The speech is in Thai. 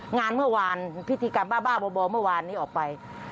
งานเมื่อวานพิธีกรรมบ้าบ่อเมื่อวานนี้ออกไป